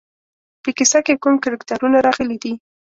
په کیسه کې کوم کرکټرونه راغلي دي.